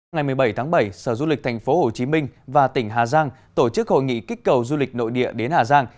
ngày một mươi bảy tháng bảy sở du lịch tp hcm và tỉnh hà giang tổ chức hội nghị kích cầu du lịch nội địa đến hà giang